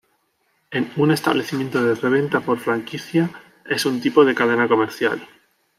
En un establecimiento de reventa por franquicia es un tipo de cadena comercial.